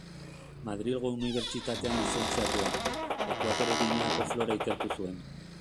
Madrilgo Unibertsitatean lizentziatua, Ekuatore Gineako flora ikertu zuen.